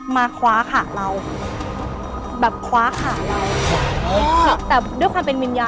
ตกใจมาคว้าขาเราแบบคว้าขาเราอ่ะเขาแบบด้วยความเป็นวิญญาณ